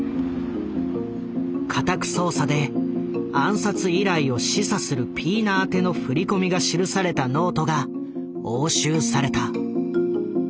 家宅捜査で暗殺依頼を示唆するピーナ宛ての振込が記されたノートが押収された。